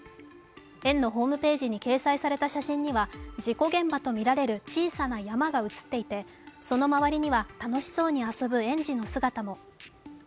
園のホームページに掲載された写真には事故現場とみられる小さな山が写っていて、その周りには楽しそうに遊ぶ園児の姿も。